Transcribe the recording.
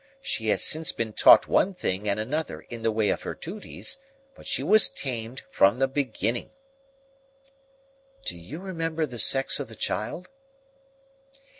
She has since been taught one thing and another in the way of her duties, but she was tamed from the beginning." "Do you remember the sex of the child?"